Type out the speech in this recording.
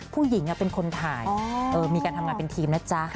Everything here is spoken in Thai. ผู้หญิงเป็นคนถ่ายมีการทำงานเป็นทีมนะจ๊ะ